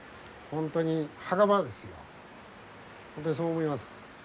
本当にそう思います。